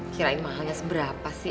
kirain mahalnya seberapa sih